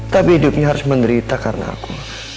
tapi hidupnya harus menderita karena aku